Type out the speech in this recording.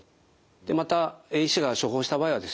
また医師が処方した場合はですね